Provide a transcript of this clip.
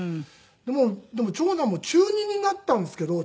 でも長男も中２になったんですけど。